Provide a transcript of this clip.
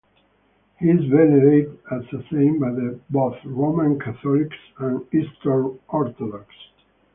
He is venerated as a saint by both Roman Catholics and Eastern Orthodox.